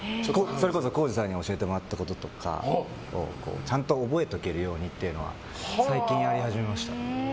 耕史さんに教えてもらったこととかちゃんと覚えておけるようにって最近やり始めました。